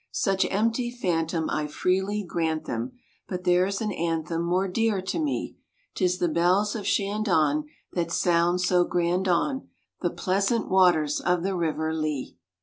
Such empty phantom I freely grant them; But there's an anthem more dear to me; 'Tis the bells of Shandon that sound so grand on The pleasant waters of the River Lee.